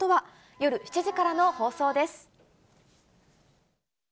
夜７時からの放送です。